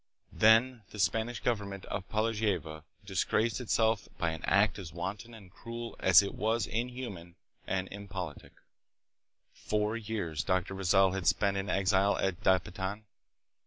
Then the Spanish government of Po lavieja disgraced itself by an act as wanton and cruel Aguinaido. as it was inhuman and impolitic. Four years Dr. Rizal had spent in exile at Dapitan.